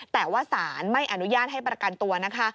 แต่ว่าสารไม่อนุญาตให้ประกันตัวนะคะ